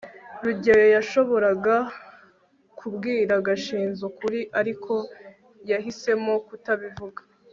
rugeyo yashoboraga kubwira gashinzi ukuri, ariko yahisemo kutabivuga